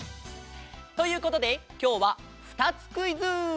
ということできょうはふたつクイズ！